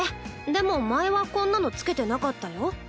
でも前はこんなの付けてなかったよ。